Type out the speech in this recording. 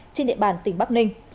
trên địa bàn tỉnh bắc ninh